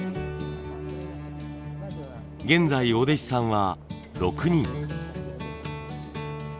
現在お弟子さんは６人。